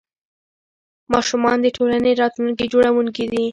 ماشومان د ټولنې راتلونکي جوړوونکي دي.